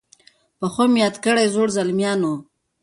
په ښو مي یاد کړی زړو، زلمیانو